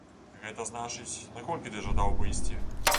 Гэта значыць, наколькі ты жадаў бы ісці?